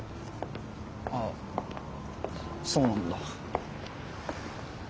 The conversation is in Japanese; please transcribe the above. あそうなんだ。